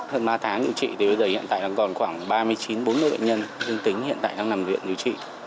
hơn ba tháng điều trị thì bây giờ hiện tại đang còn khoảng ba mươi chín bốn mươi bệnh nhân dương tính hiện tại đang nằm viện điều trị